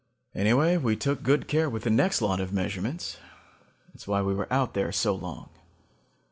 "Anyway, we took good care with the next lot of measurements. That's why we were out there so long.